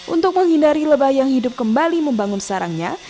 untuk menghindari lebah yang hidup kembali membangun sarangnya